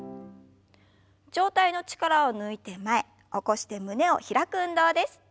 上体の力を抜いて前起こして胸を開く運動です。